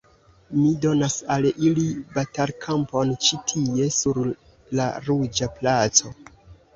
Mi donas al ili batalkampon ĉi tie, sur la Ruĝa Placo.